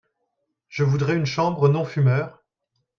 Je voudrais une chambre non fumeur.